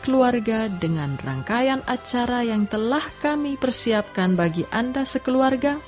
keluarga dengan rangkaian acara yang telah kami persiapkan bagi anda sekeluarga